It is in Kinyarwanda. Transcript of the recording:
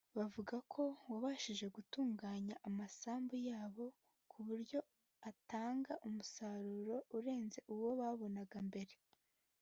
Bavuga ko wabafashije gutunganya amasambu yabo kuburyo atanga umusaruro urenze uwo babonaga mbere